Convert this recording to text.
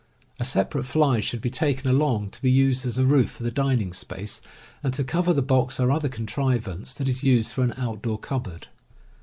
A separate fly should be taken along, to be used as a roof for the dining space, and to cover the box or other contrivance that is used for an outdoor cupboard.